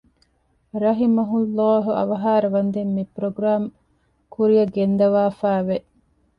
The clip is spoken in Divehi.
ރަޙިމަހު ﷲ އަވަހާރަވަންދެން މި ޕްރޮގްރާމް ކުރިއަށް ގެންދަވާފައި ވެ